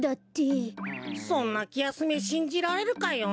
そんなきやすめしんじられるかよ。